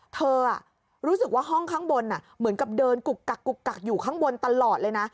เธอรู้สึกว่าห้องข้างบนเหมือนกับเดินกุกกักกุกกักอยู่ข้างบนตลอดเลยนะ